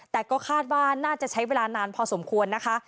แต่ก็คาดว่าน่าจะใช้เวลานานพอสมควรนะคะ